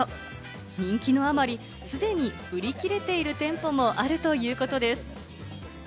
人気のあまり既に売り切れている店舗もあるということです。